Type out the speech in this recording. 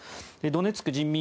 ドネツク人民